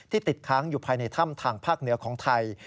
ติดค้างอยู่ภายในถ้ำทางภาคเหนือของไทย